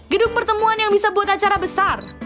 gedung pertemuan yang bisa buat acara besar